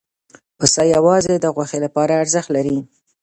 پسه یوازې د غوښې لپاره ارزښت لري.